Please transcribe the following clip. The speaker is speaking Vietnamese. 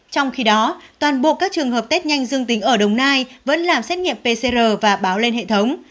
trong khi đó toàn bộ các trường hợp test nhanh dương tính ở đồng nai vẫn làm xét nghiệm pcr và báo lên hệ thống